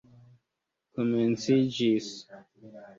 komenciĝis